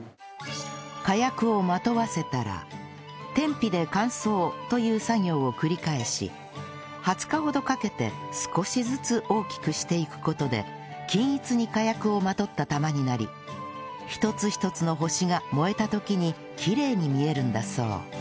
火薬をまとわせたら天日で乾燥という作業を繰り返し２０日ほどかけて少しずつ大きくしていく事で均一に火薬をまとった玉になり一つ一つの星が燃えた時にきれいに見えるんだそう